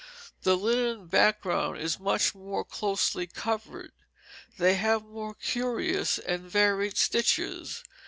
The linen background is much more closely covered. They have more curious and varied stitches.